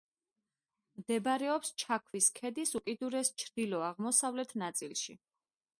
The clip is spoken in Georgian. მდებარეობს ჩაქვის ქედის უკიდურეს ჩრდილო-აღმოსავლეთ ნაწილში.